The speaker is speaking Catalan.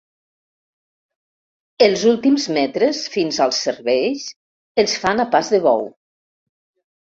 Els últims metres fins als serveis els fan a pas de bou.